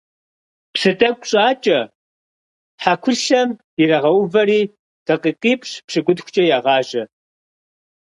Псы тӀэкӀу щӀакӀэ, хьэкулъэм ирагъэувэри, дакъикъипщӏ-пщыкӏутхукӀэ ягъажьэ.